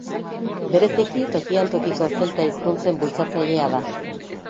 Bereziki tokian-tokiko zelta hizkuntzen bultzatzailea da.